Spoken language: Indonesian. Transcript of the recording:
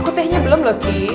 aku tehnya belum loh ki